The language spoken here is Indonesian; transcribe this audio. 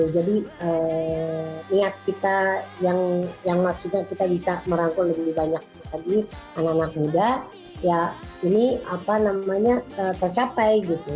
jadi niat kita yang maksudnya kita bisa merangkul lebih banyak lagi anak anak muda ya ini apa namanya tercapai gitu